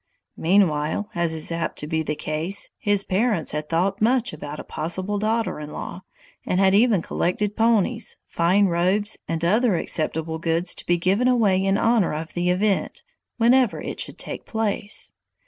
Meanwhile, as is apt to be the case, his parents had thought much about a possible daughter in law, and had even collected ponies, fine robes, and other acceptable goods to be given away in honor of the event, whenever it should take place.